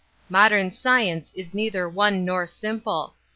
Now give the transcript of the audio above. Modern science is neither one nor simple.